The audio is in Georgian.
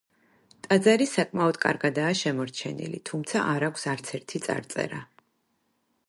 ტაძარი საკმაოდ კარგადაა შემორჩენილი, თუმცა არ აქვს არც ერთი წარწერა.